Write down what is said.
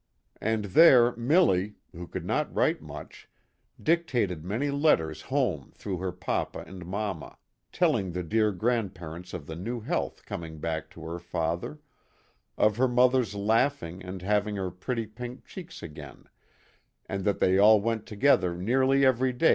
io8 And there Milly who could not write much dictated many letters home through her papa and mamma telling the dear grandparents of the new health coming back to her father, of her mother's laughing and having her pretty pink cheeks again, and that they all went to gether nearly every day.